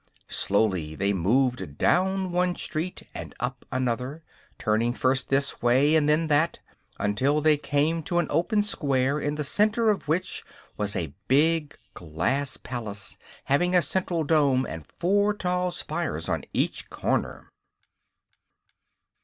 Slowly they moved down one street and up another, turning first this way and then that, until they came to an open square in the center of which was a big glass palace having a central dome and four tall spires on each corner.